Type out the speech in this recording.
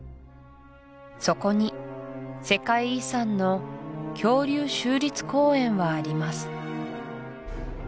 そこに世界遺産の恐竜州立公園はあります